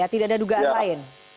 tidak ada dugaan lain